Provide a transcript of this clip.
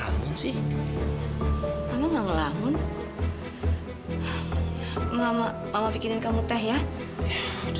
aku juga gak mau